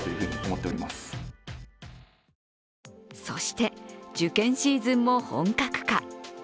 そして、受験シーズンも本格化。